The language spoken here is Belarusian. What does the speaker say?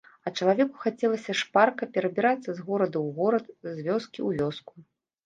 А чалавеку хацелася шпарка перабірацца з горада ў горад, з вёскі ў вёску.